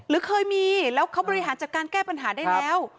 เคยมีแล้วเขาบริหารจัดการแก้ปัญหาได้แล้ว